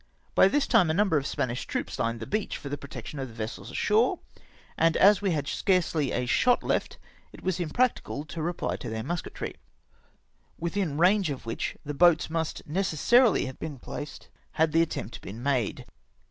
By this time a number of Spanish troops hned the beach for the protection of the vessels ashore, and as we had .scarcely a shot left, it was impracticable to reply to the musketry, within range of which the boats must necessarily have been placed had the attempt been made.